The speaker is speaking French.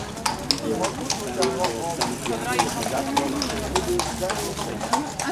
Il y rencontre notamment Henri Poulizac, médecin conseil.